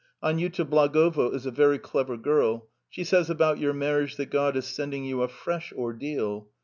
Aniuta Blagovo is a very clever girl. She says of your marriage that God has sent you a new ordeal.